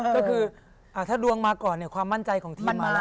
ก็คือถ้าดวงมาก่อนเนี่ยความมั่นใจของทีมมา